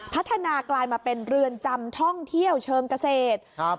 พัฒนากลายมาเป็นเรือนจำท่องเที่ยวเชิงเกษตรครับ